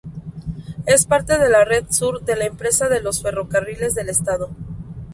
Es parte de la Red Sur de la Empresa de los Ferrocarriles del Estado.